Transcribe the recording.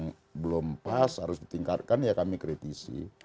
yang belum pas harus ditingkatkan ya kami kritisi